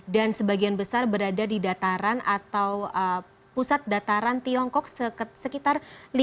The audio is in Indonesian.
dan sebagian besar berada di dataran atau pusat dataran tiongkok sekitar lima empat ratus sembilan puluh empat